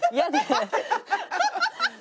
ハハハハ！